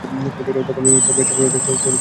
তখন ভয়ে পেচ্ছাব করে দিলে চলবে না কিন্তু।